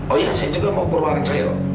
oh iya saya juga mau perbahan saya